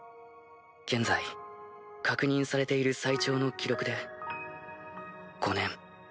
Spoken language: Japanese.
現在確認されている最長の記録で５年。